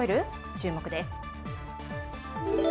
注目です。